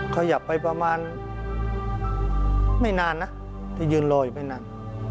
ขยับไปประมาณไม่นานนะที่ยืนรออยู่ไม่นาน